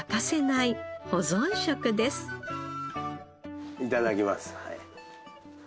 いただきます。